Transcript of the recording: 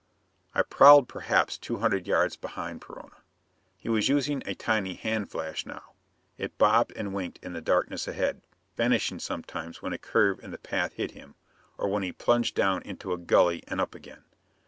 I prowled perhaps two hundred yards behind Perona. He was using a tiny hand flash now; it bobbed and winked in the darkness ahead, vanishing sometimes when a curve in the path hid him, or when he plunged down into a gully and up again.